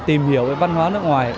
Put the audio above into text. tìm hiểu về văn hóa nước ngoài